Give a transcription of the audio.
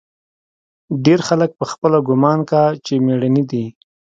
ډېر خلق پخپله ګومان کا چې مېړني دي.